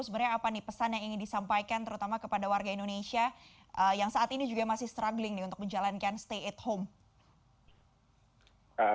sebenarnya apa nih pesan yang ingin disampaikan terutama kepada warga indonesia yang saat ini juga masih struggling nih untuk menjalankan stay at home